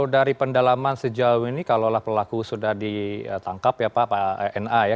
dari pendalaman sejauh ini kalau pelaku sudah ditangkap ya pak na ya